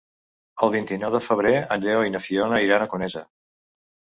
El vint-i-nou de febrer en Lleó i na Fiona iran a Conesa.